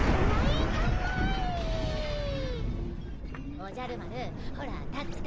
おじゃる丸ほら立って立って。